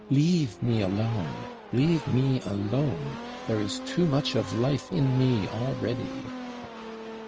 Leave me alone, leave me alone; there is too much of life in me already!"